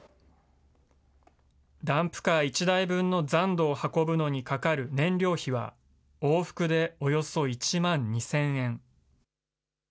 ダンプカー１台分の残土を運ぶのにかかる燃料費は、往復でおよそ１万２０００円。